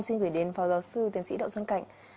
xin gửi đến phó giáo sư tiến sĩ đậu xuân cạnh